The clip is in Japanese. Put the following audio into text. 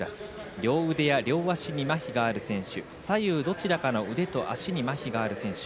両腕や両足にまひがある選手左右どちらかの腕や足にまひがある選手。